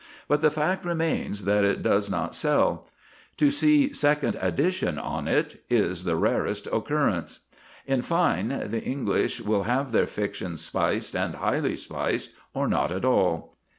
But the fact remains that it does not sell; to see "Second Edition" on it is the rarest occurrence. In fine, the English will have their fiction spiced, and highly spiced, or not at all.